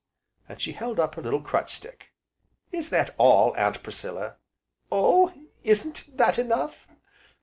and she held up her little crutch stick. "Is that all, Aunt Priscilla?" "Oh! isn't that enough?"